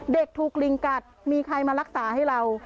เด็กถูกลิงกัดมีใครมารักษาให้เรา